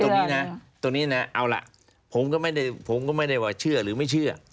ตรงนี้นะตรงนี้นะเอาล่ะผมก็ไม่ได้ผมก็ไม่ได้ว่าเชื่อหรือไม่เชื่อ